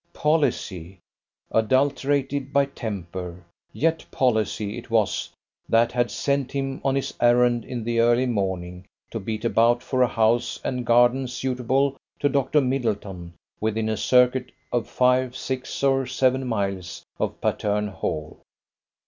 Policy, adulterated by temper, yet policy it was that had sent him on his errand in the early morning to beat about for a house and garden suitable to Dr. Middleton within a circuit of five, six, or seven miles of Patterne Hall.